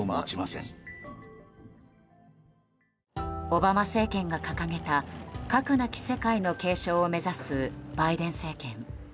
オバマ政権が掲げた核なき世界の継承を目指すバイデン政権。